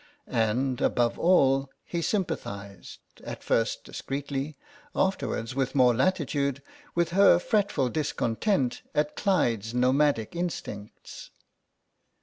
And, above all, he sympathised, at first discreetly, afterwards with more latitude, with her fret ful discontent at Clyde's nomadic instincts.